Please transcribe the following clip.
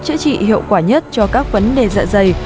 chữa trị hiệu quả nhất cho các vấn đề dạ dày